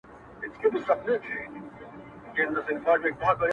زما د فكر د ائينې شاعره ,